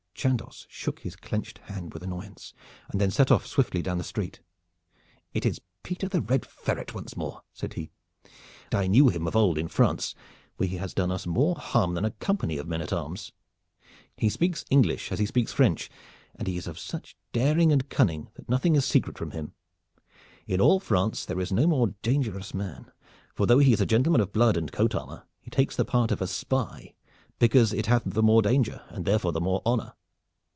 Chandos shook his clenched hand with annoyance, and then set off swiftly down the street. "It is Peter the Red Ferret once more!" said he. "I knew him of old in France, where he has done us more harm than a company of men at arms. He speaks English as he speaks French, and he is of such daring and cunning that nothing is secret from him. In all France there is no more dangerous man, for though he is a gentleman of blood and coat armor he takes the part of a spy, because it hath the more danger and therefore the more honor."